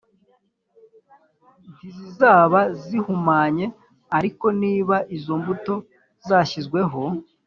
Ntizizaba zihumanye ariko niba izo mbuto zashyizweho